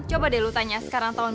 coba deh lu tanya sekarang tahun